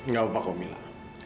gak apa apa komila